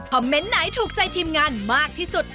เมนต์ไหนถูกใจทีมงานมากที่สุด